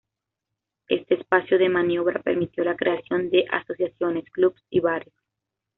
Este espacio de maniobra permitió la creación de asociaciones, clubs y bares.